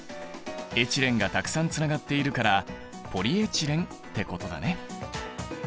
エチレンがたくさんつながっているからポリエチレンってことだね。